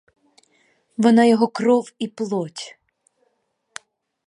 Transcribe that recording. Вона його кров і плоть!